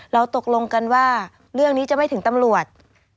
เราตกลงกันว่าเรื่องนี้จะไม่ถึงตำรวจ